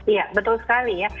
iya betul sekali ya